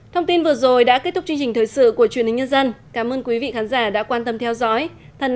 thông tin vừa rồi đã kết thúc chương trình thời sự của truyền hình nhân dân cảm ơn quý vị khán giả đã quan tâm theo dõi thân ái